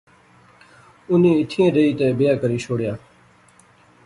انی ایتھیں ایہہ رہی تہ بیاہ کری شوڑیا